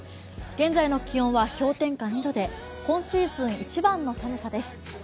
現在の気温は氷点下２度で今シーズン一番の寒さです。